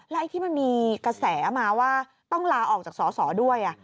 และที่มันมีกระแสมาว่าต้องลาออกจากสอสอด้วย